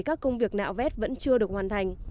các công việc nạo vét vẫn chưa được hoàn thành